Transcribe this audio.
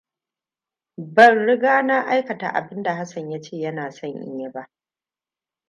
Ban riga na aikata abin da Hassan ya ce yana son in yi ba.